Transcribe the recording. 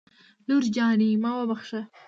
لور جانې ما وبښه